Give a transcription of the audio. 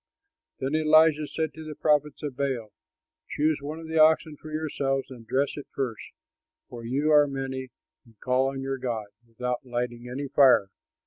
Then Elijah said to the prophets of Baal, "Choose one of the oxen for yourselves and dress it first, for you are many, and call on your god, without lighting any fire."